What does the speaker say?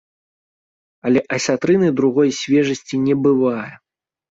Але асятрыны другой свежасці не бывае.